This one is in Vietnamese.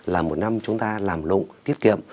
là một năm chúng ta làm lộn tiết kiệm